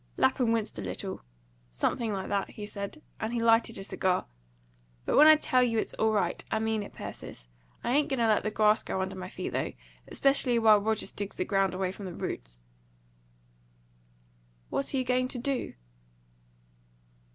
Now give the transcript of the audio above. Lapham winced a little. "Something like that," he said, and he lighted a cigar. "But when I tell you it's all right, I mean it, Persis. I ain't going to let the grass grow under my feet, though, especially while Rogers digs the ground away from the roots." "What are you going to do?"